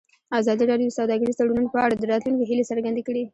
ازادي راډیو د سوداګریز تړونونه په اړه د راتلونکي هیلې څرګندې کړې.